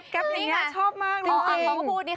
แก๊บอย่างนี้ชอบมาก